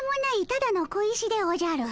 ただの小石でおじゃる。